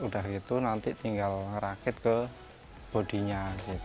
sudah itu nanti tinggal rakit ke bodinya